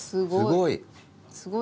すごい。